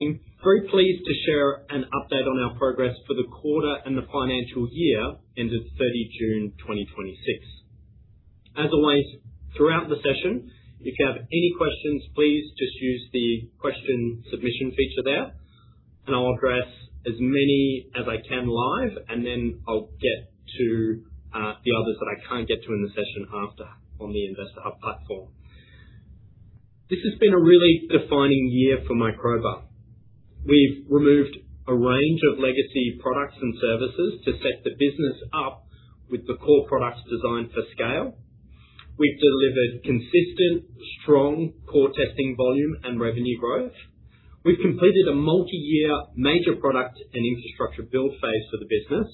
Very pleased to share an update on our progress for the quarter and the financial year ended June 30, 2026. As always, throughout the session, if you have any questions, please just use the question submission feature there, and I'll address as many as I can live. Then I'll get to the others that I can't get to in the session after on the Investor Hub platform. This has been a really defining year for Microba. We've removed a range of legacy products and services to set the business up with the core products designed for scale. We've delivered consistent, strong core testing volume and revenue growth. We've completed a multi-year major product and infrastructure build phase for the business,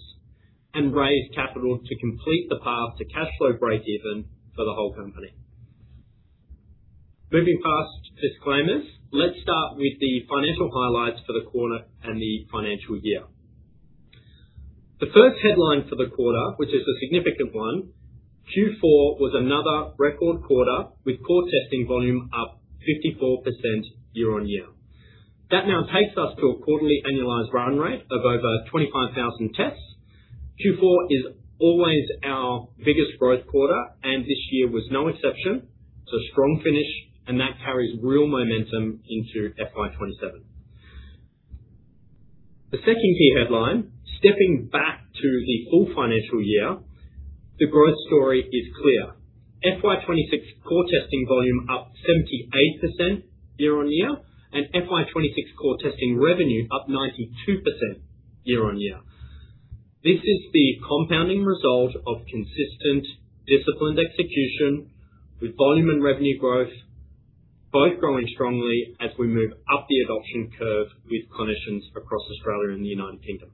and raised capital to complete the path to cash flow breakeven for the whole company. Moving past disclaimers, let's start with the financial highlights for the quarter and the financial year. The first headline for the quarter, which is a significant one, Q4 was another record quarter with core testing volume up 54% year-on-year. That now takes us to a quarterly annualized run rate of over 25,000 tests. Q4 is always our biggest growth quarter, and this year was no exception, strong finish. That carries real momentum into FY 2027. The second key headline, stepping back to the full financial year, the growth story is clear. FY 2026 core testing volume up 78% year-on-year, FY 2026 core testing revenue up 92% year-on-year. This is the compounding result of consistent, disciplined execution with volume and revenue growth, both growing strongly as we move up the adoption curve with clinicians across Australia and the United Kingdom.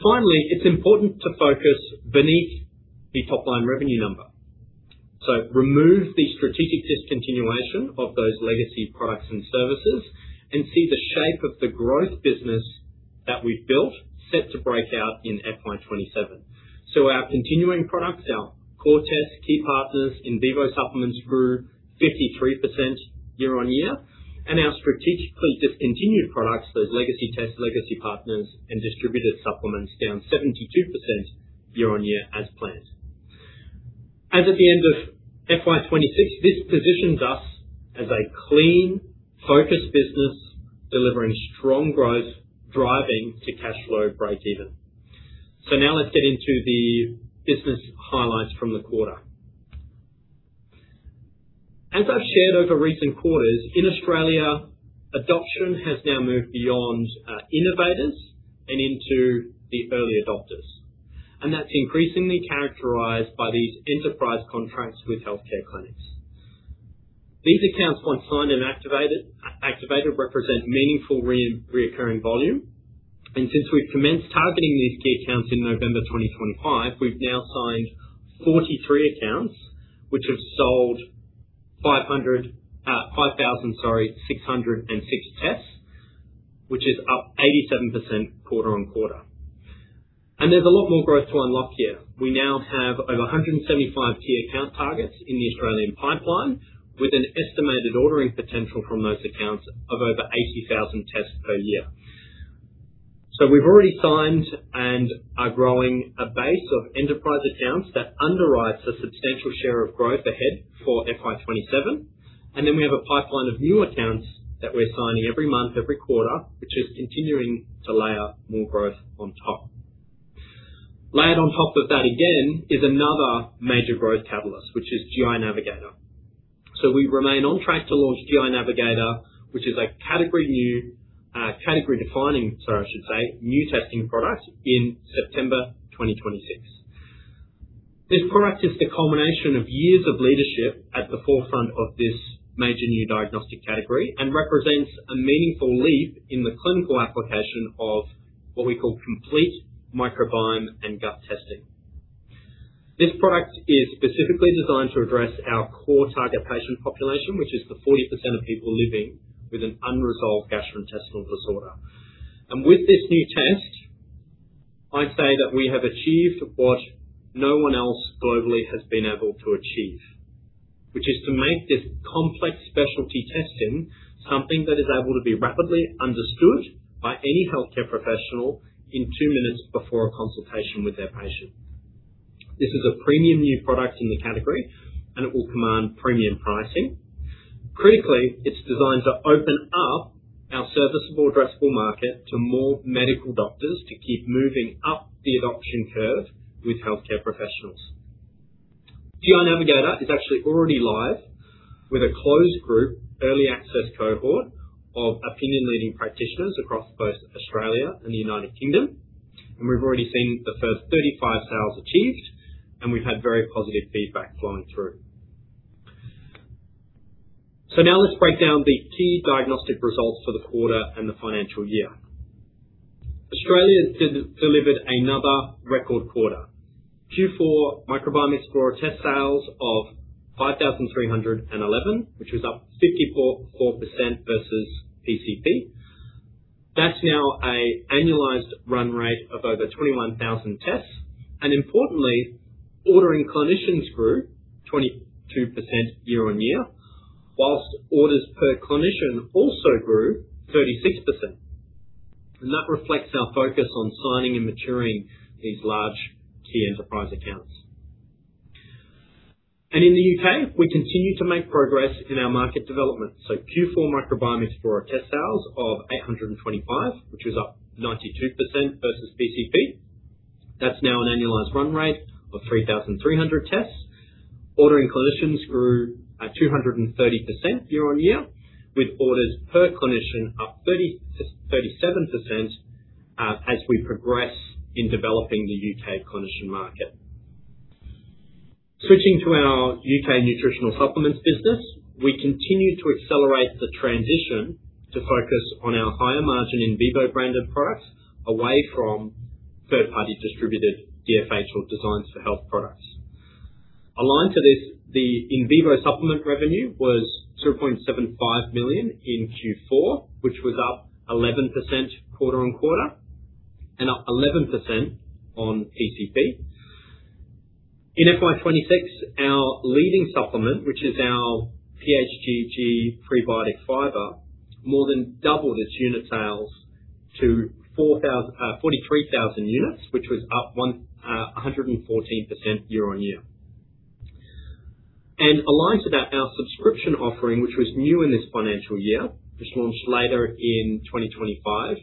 Finally, it's important to focus beneath the top-line revenue number. Remove the strategic discontinuation of those legacy products and services and see the shape of the growth business that we've built, set to break out in FY 2027. Our continuing products, our core test key partners, Invivo Supplements grew 53% year-on-year. Our strategically discontinued products, those legacy test, legacy partners, and distributed supplements down 72% year-on-year as planned. As of the end of FY 2026, this positions us as a clean, focused business, delivering strong growth, driving to cash flow breakeven. Now let's get into the business highlights from the quarter. As I've shared over recent quarters, in Australia, adoption has now moved beyond innovators and into the early adopters. That's increasingly characterized by these enterprise contracts with healthcare clinics. These accounts, once signed and activated, represent meaningful reoccurring volume. Since we've commenced targeting these key accounts in November 2025, we've now signed 43 accounts which have sold 5,606 tests, which is up 87% quarter-on-quarter. There's a lot more growth to unlock here. We now have over 175 key account targets in the Australian pipeline, with an estimated ordering potential from those accounts of over 80,000 tests per year. We've already signed and are growing a base of enterprise accounts that underwrites a substantial share of growth ahead for FY 2027. Then we have a pipeline of new accounts that we're signing every month, every quarter, which is continuing to layer more growth on top. Layered on top of that again is another major growth catalyst, which is GI Navigator. We remain on track to launch GI Navigator, which is a category defining new testing product in September 2026. This product is the culmination of years of leadership at the forefront of this major new diagnostic category and represents a meaningful leap in the clinical application of what we call complete microbiome and gut testing. This product is specifically designed to address our core target patient population, which is the 40% of people living with an unresolved gastrointestinal disorder. With this new test, I say that we have achieved what no one else globally has been able to achieve, which is to make this complex specialty testing something that is able to be rapidly understood by any healthcare professional in two minutes before a consultation with their patient. This is a premium new product in the category, and it will command premium pricing. Critically, it is designed to open up our serviceable addressable market to more medical doctors to keep moving up the adoption curve with healthcare professionals. GI Navigator is actually already live with a closed group early access cohort of opinion leading practitioners across both Australia and the United Kingdom, and we have already seen the first 35 sales achieved, and we have had very positive feedback flowing through. Now let us break down the key diagnostic results for the quarter and the financial year. Australia has delivered another record quarter. Q4 Microbiome Explorer test sales of 5,311, which was up 54% versus PCP. That is now an annualized run rate of over 21,000 tests, and importantly, ordering clinicians grew 22% year-on-year, whilst orders per clinician also grew 36%. That reflects our focus on signing and maturing these large key enterprise accounts. In the U.K., we continue to make progress in our market development. Q4 Microbiome Explorer test sales of 825, which is up 92% versus PCP. That is now an annualized run rate of 3,300 tests. Ordering clinicians grew at 230% year-on-year, with orders per clinician up 37% as we progress in developing the U.K. clinician market. Switching to our U.K. nutritional supplements business, we continue to accelerate the transition to focus on our higher margin Invivo branded products away from third-party distributed DFH or Designs for Health products. Aligned to this, the Invivo Supplement revenue was 3.75 million in Q4, which was up 11% quarter-on-quarter and up 11% on PCP. In FY 2026, our leading supplement, which is our PHGG Prebiotic Fiber, more than doubled its unit sales to 43,000 units, which was up 114% year-on-year. Aligned to that, our subscription offering, which was new in this financial year, which launched later in 2025,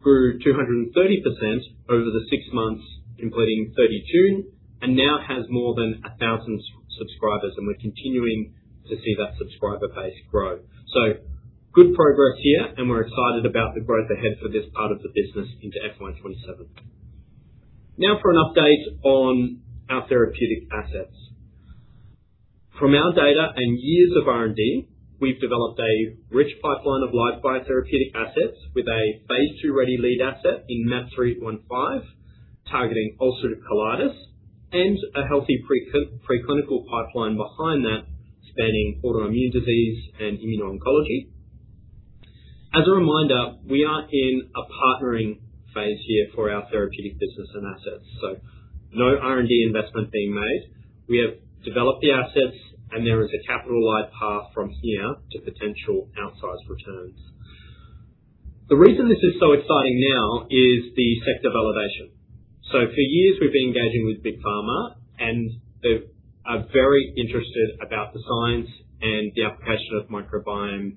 grew 230% over the six months including June 30, and now has more than 1,000 subscribers, and we are continuing to see that subscriber base grow. Good progress here, and we are excited about the growth ahead for this part of the business into FY 2027. Now for an update on our therapeutic assets. From our data and years of R&D, we have developed a rich pipeline of live biotherapeutic assets with a phase II-ready lead asset in MAP-315 targeting ulcerative colitis, and a healthy preclinical pipeline behind that, spanning autoimmune disease and immuno-oncology. As a reminder, we are in a partnering phase here for our therapeutic business and assets. No R&D investment being made. We have developed the assets, and there is a capital light path from here to potential outsized returns. The reason this is so exciting now is the sector valuation. For years we've been engaging with Big Pharma, and they are very interested about the science and the application of microbiome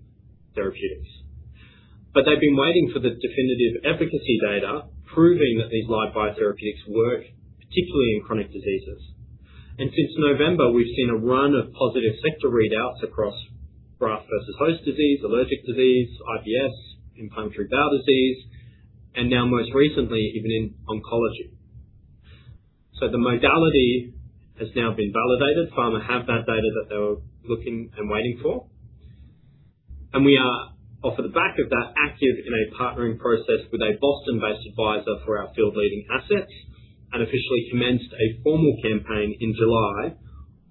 therapeutics. They've been waiting for the definitive efficacy data proving that these live biotherapeutics work, particularly in chronic diseases. Since November, we've seen a run of positive sector readouts across graft versus host disease, allergic disease, IBS, and inflammatory bowel disease, and now most recently, even in oncology. The modality has now been validated. Pharma have that data that they were looking and waiting for. We are off of the back of that active in a partnering process with a Boston-based advisor for our field-leading assets, and officially commenced a formal campaign in July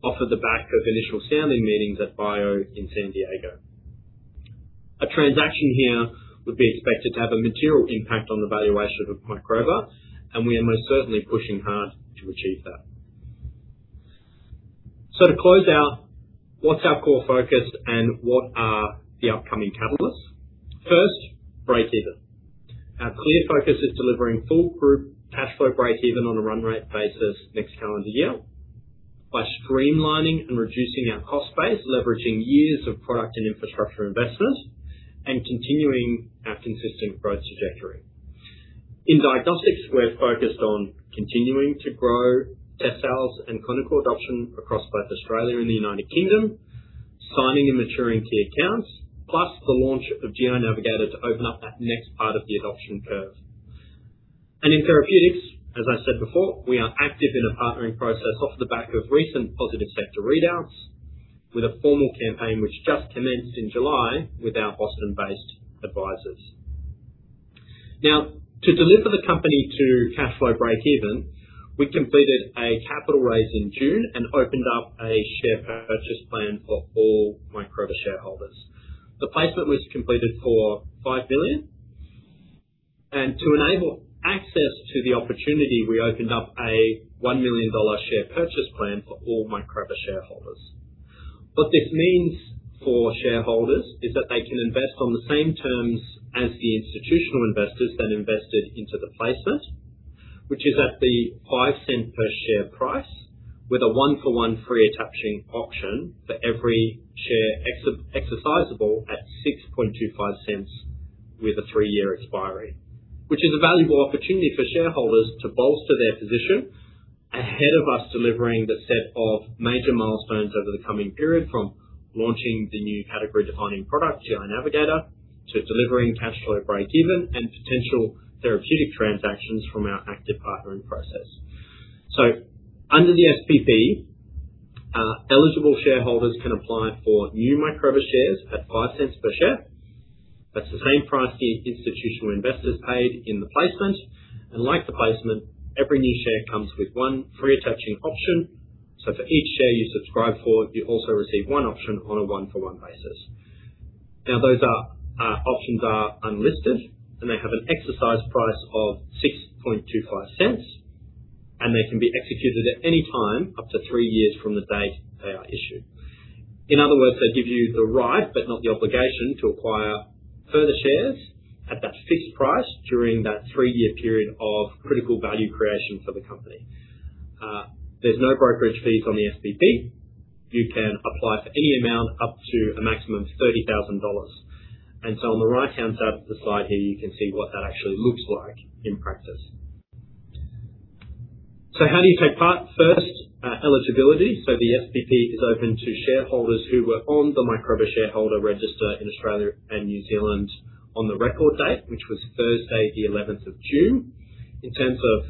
off of the back of initial sounding meetings at BIO in San Diego. A transaction here would be expected to have a material impact on the valuation of Microba, and we are most certainly pushing hard to achieve that. To close out, what's our core focus and what are the upcoming catalysts? First, break even. Our clear focus is delivering full group cash flow break even on a run rate basis next calendar year by streamlining and reducing our cost base, leveraging years of product and infrastructure investments, and continuing our consistent growth trajectory. In diagnostics, we're focused on continuing to grow test sales and clinical adoption across both Australia and the United Kingdom, signing and maturing key accounts, plus the launch of GI Navigator to open up that next part of the adoption curve. In therapeutics, as I said before, we are active in a partnering process off the back of recent positive sector readouts with a formal campaign which just commenced in July with our Boston-based advisors. To deliver the company to cash flow break even, we completed a capital raise in June and opened up a share purchase plan for all Microba shareholders. The placement was completed for 5 million. To enable access to the opportunity, we opened up an 1 million dollar share purchase plan for all Microba shareholders. What this means for shareholders is that they can invest on the same terms as the institutional investors that invested into the placement, which is at the 0.05 per share price with a one for one free attaching option for every share exercisable at 0.0625 with a three year expiry. This is a valuable opportunity for shareholders to bolster their position ahead of us delivering the set of major milestones over the coming period. From launching the new category defining product, GI Navigator, to delivering cash flow break even and potential therapeutic transactions from our active partnering process. Under the SPP, eligible shareholders can apply for new Microba shares at 0.05 per share. That's the same price the institutional investors paid in the placement. Like the placement, every new share comes with one free attaching option. For each share you subscribe for, you also receive one option on a one-for-one basis. Those options are unlisted, and they have an exercise price of 0.0625, and they can be executed at any time up to three years from the date they are issued. In other words, they give you the right, but not the obligation, to acquire further shares at that fixed price during that three year period of critical value creation for the company. There's no brokerage fees on the SPP. You can apply for any amount up to a maximum of 30,000 dollars. On the right-hand side of the slide here, you can see what that actually looks like in practice. How do you take part? First, eligibility. The SPP is open to shareholders who were on the Microba shareholder register in Australia and New Zealand on the record date, which was Thursday, June 11th. In terms of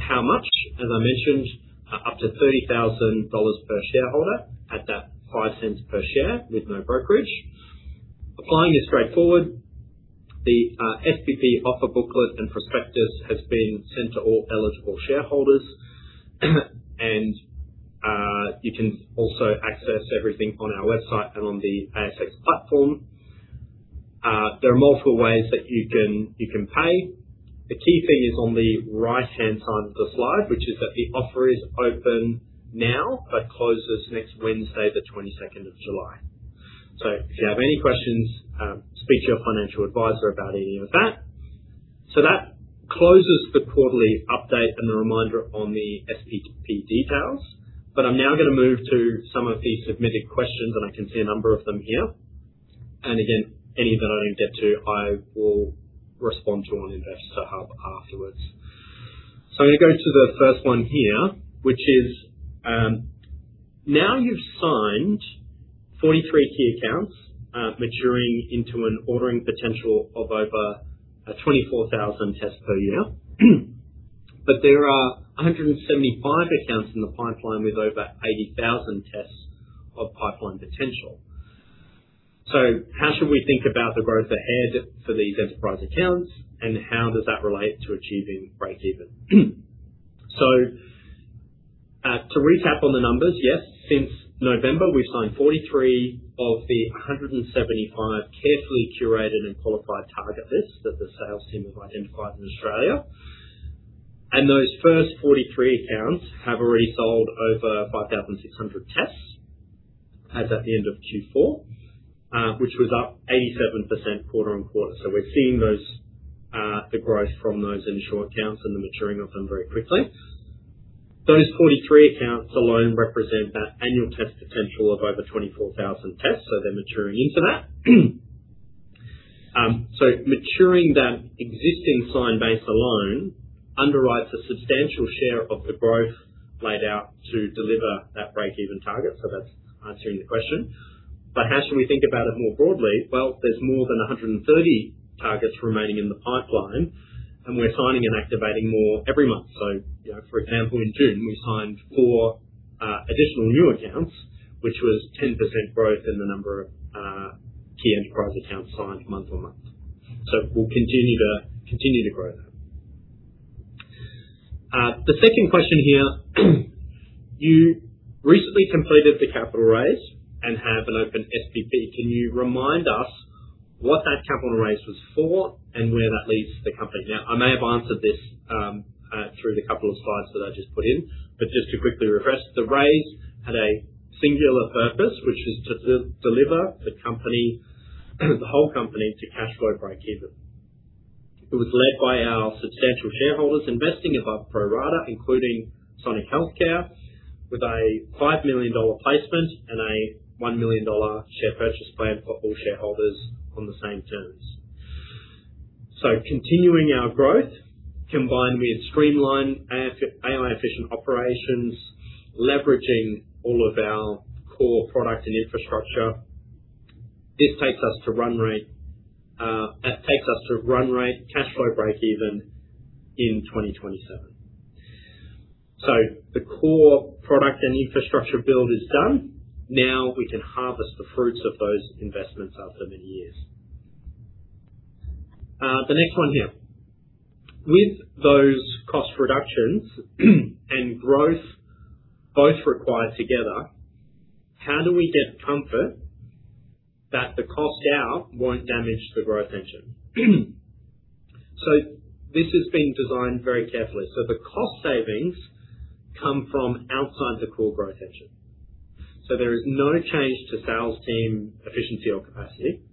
how much, as I mentioned, up to 30,000 dollars per shareholder at that 0.05 per share with no brokerage. Applying is straightforward. The SPP offer booklet and prospectus has been sent to all eligible shareholders. You can also access everything on our website and on the ASX platform. There are multiple ways that you can pay. The key thing is on the right-hand side of the slide, which is that the offer is open now but closes next Wednesday, July 22nd. If you have any questions, speak to your financial advisor about any of that. That closes the quarterly update and the reminder on the SPP details. I'm now going to move to some of the submitted questions, and I can see a number of them here. Again, any that I don't get to, I will respond to on Investor Hub afterwards. I'm going to go to the first one here, which is, you've signed 43 key accounts, maturing into an ordering potential of over 24,000 tests per year. There are 175 accounts in the pipeline with over 80,000 tests of pipeline potential. How should we think about the growth ahead for these enterprise accounts, and how does that relate to achieving breakeven? To recap on the numbers, yes, since November, we've signed 43 of the 175 carefully curated and qualified target lists that the sales team has identified in Australia. Those first 43 accounts have already sold over 5,600 tests as at the end of Q4, which was up 87% quarter-over-quarter. We're seeing the growth from those initial accounts and the maturing of them very quickly. Those 43 accounts alone represent that annual test potential of over 24,000 tests, so they're maturing into that. Maturing that existing signed base alone underwrites a substantial share of the growth laid out to deliver that breakeven target. That's answering the question. How should we think about it more broadly? There's more than 130 targets remaining in the pipeline, and we're signing and activating more every month. For example, in June, we signed four additional new accounts, which was 10% growth in the number of key enterprise accounts signed month-over-month. We'll continue to grow that. The second question here, you recently completed the capital raise and have an open SPP. Can you remind us what that capital raise was for and where that leaves the company? I may have answered this through the couple of slides that I just put in, but just to quickly refresh, the raise had a singular purpose, which is to deliver the whole company to cash flow breakeven. It was led by our substantial shareholders investing above pro rata, including Sonic Healthcare, with an 5 million dollar placement and an 1 million dollar share purchase plan for all shareholders on the same terms. Continuing our growth, combined with streamlined AI efficient operations, leveraging all of our core product and infrastructure. This takes us to run rate cash flow breakeven in 2027. The core product and infrastructure build is done. We can harvest the fruits of those investments after many years. The next one here. With those cost reductions and growth both required together, how do we get comfort that the cost out won't damage the growth engine? This has been designed very carefully. The cost savings come from outside the core growth engine. There is no change to sales team efficiency or capacity.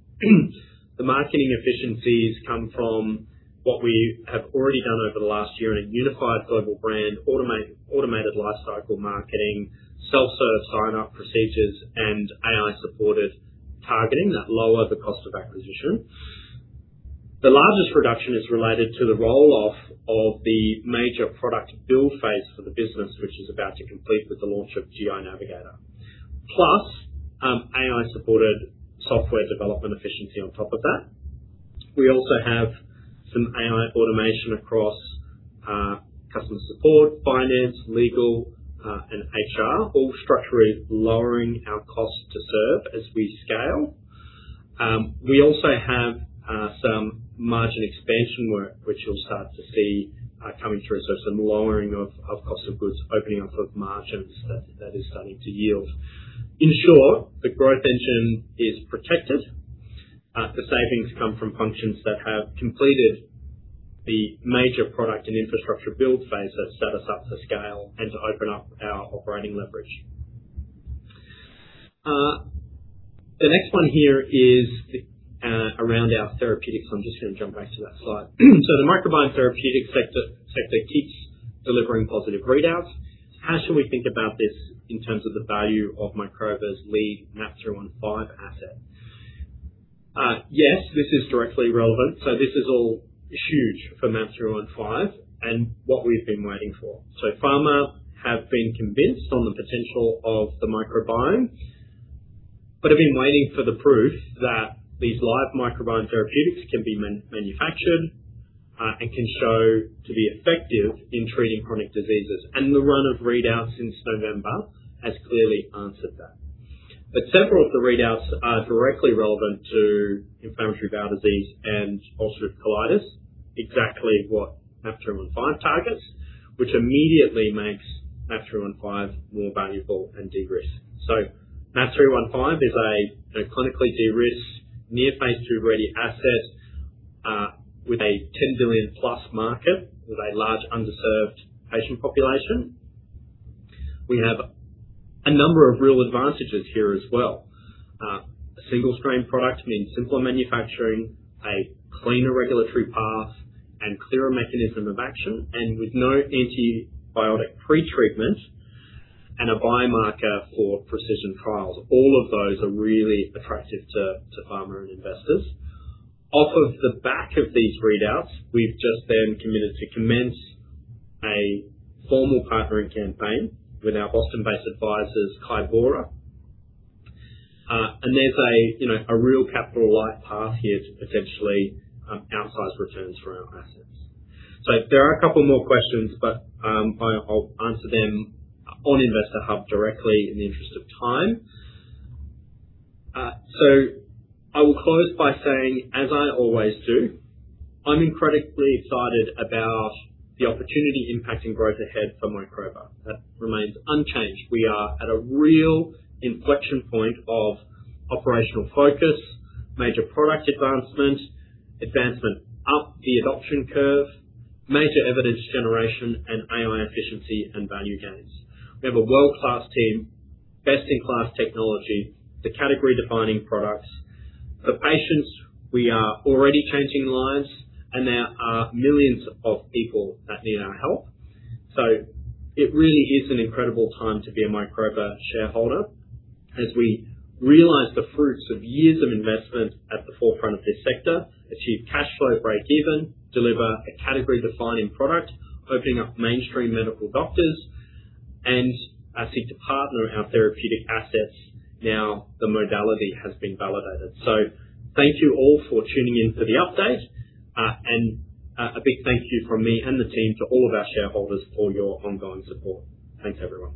The marketing efficiencies come from what we have already done over the last year in a unified global brand, automated lifecycle marketing, self-serve sign-up procedures, and AI-supported targeting that lower the cost of acquisition. The largest reduction is related to the roll-off of the major product build phase for the business, which is about to complete with the launch of GI Navigator. Plus, AI-supported software development efficiency on top of that. We also have some AI automation across customer support, finance, legal, and HR, all structurally lowering our cost to serve as we scale. We also have some margin expansion work, which you'll start to see coming through. Some lowering of cost of goods, opening up of margins, that is starting to yield. In short, the growth engine is protected. The savings come from functions that have completed the major product and infrastructure build phase that set us up to scale and to open up our operating leverage. The next one here is around our therapeutics. I'm just going to jump back to that slide. The microbiome therapeutic sector keeps delivering positive readouts. How should we think about this in terms of the value of Microba's lead MAP-315 asset? Yes, this is directly relevant. This is all huge for MAP-315 and what we've been waiting for. Pharma have been convinced on the potential of the microbiome, but have been waiting for the proof that these live microbiome therapeutics can be manufactured, and can show to be effective in treating chronic diseases. The run of readouts since November has clearly answered that. Several of the readouts are directly relevant to inflammatory bowel disease and ulcerative colitis, exactly what MAP-315 targets, which immediately makes MAP-315 more valuable and de-risked. MAP-315 is a clinically de-risked, near Phase II ready asset, with an 10 billion+ market, with a large underserved patient population. We have a number of real advantages here as well. A single-strain product means simpler manufacturing, a cleaner regulatory path, and clearer mechanism of action, and with no antibiotic pre-treatment, and a biomarker for precision trials. All of those are really attractive to pharma and investors. Off of the back of these readouts, we've just then committed to commence a formal partnering campaign with our Boston-based advisors, Kybora. There's a real capital light path here to potentially outsize returns for our assets. There are a couple more questions, but I'll answer them on Investor Hub directly in the interest of time. I will close by saying, as I always do, I'm incredibly excited about the opportunity impacting growth ahead for Microba. That remains unchanged. We are at a real inflection point of operational focus, major product advancement up the adoption curve, major evidence generation, and AI efficiency and value gains. We have a world-class team, best-in-class technology, the category defining products. For patients, we are already changing lives, and there are millions of people that need our help. It really is an incredible time to be a Microba shareholder as we realize the fruits of years of investment at the forefront of this sector, achieve cash flow break even, deliver a category defining product, opening up mainstream medical doctors, and seek to partner our therapeutic assets now the modality has been validated. Thank you all for tuning in for the update, and a big thank you from me and the team to all of our shareholders for your ongoing support. Thanks, everyone.